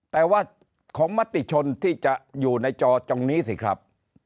แต่ว่าของมติชนที่จะอยู่ในจอตรงนี้สิครับ